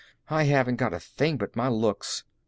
I haven't got a thing but my looks.